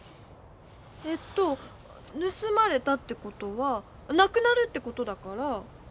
えっとぬすまれたってことはなくなるってことだから。